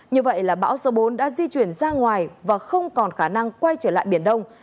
như vậy là bão số bốn đã di chuyển ra ngoài và không còn khả năng quay trở lại biển đông